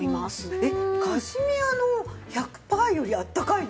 えっカシミヤの１００パーよりあったかいの？